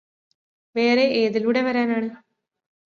വേറെ ഏതിലൂടെ വരാനാണ്